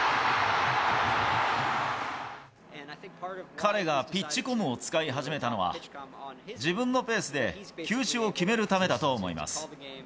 彼がピッチコムを使い始めたのは、自分のペースで球種を決めるためだと思います。